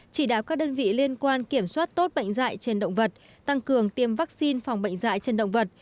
chỉ đáo các đơn vị liên quan kiểm soát tốt bệnh dạy trên động vật tăng cường tiêm vaccine phòng bệnh dạy trên động vật